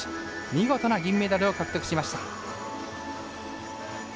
見事な銀メダルを獲得しました。